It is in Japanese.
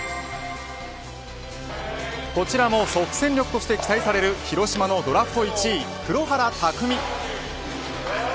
こちらも即戦力として期待される広島のドラフト１位黒原拓未。